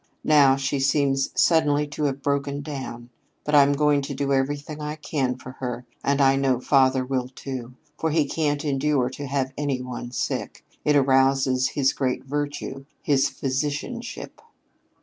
Now she seems suddenly to have broken down. But I'm going to do everything I can for her, and I know father will, too; for he can't endure to have any one sick. It arouses his great virtue, his physicianship."